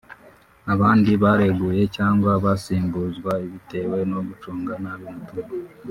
Abandi bareguye cyangwa basimbuzwa bitewe no gucunga nabi umutungo